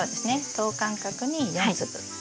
等間隔に４粒。